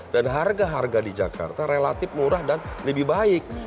dan harga harga di jakarta relatif murah dan lebih baik